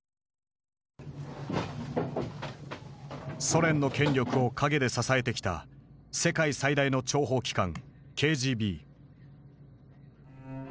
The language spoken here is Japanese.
ソ連の権力を陰で支えてきた世界最大の諜報機関ＫＧＢ。